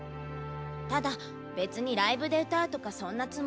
ただ別にライブで歌うとかそんなつもりはなかったのよ。